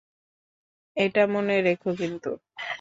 এটা মনে রেখো কিন্তু।